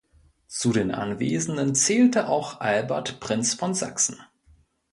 Zu den Anwesenden zählte auch Albert Prinz von Sachsen.